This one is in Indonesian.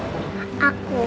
karma kamu bang